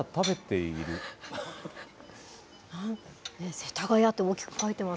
世田谷って大きく書いてます